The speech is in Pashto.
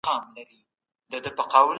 تاسو ولې له ښه خلکو سره ناسته ولاړه کوئ؟